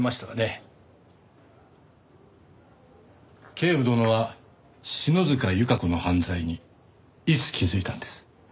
警部殿は篠塚由香子の犯罪にいつ気づいたんです？